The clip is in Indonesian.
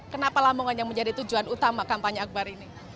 kenapa lamongan yang menjadi tujuan utama kampanye akbar ini